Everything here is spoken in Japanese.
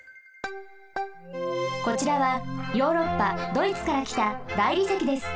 こちらはヨーロッパドイツからきた大理石です。